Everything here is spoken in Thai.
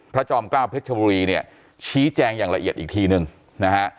จอมเกล้าเพชรบุรีเนี่ยชี้แจงอย่างละเอียดอีกทีนึงนะฮะ